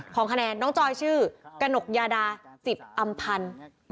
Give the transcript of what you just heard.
ของคะแนนน้องจอยชื่อกนกยาดาสิบอำพันธ์